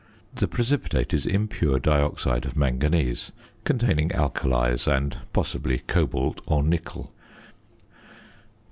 The precipitate is impure dioxide of manganese (containing alkalies and, possibly, cobalt or nickel).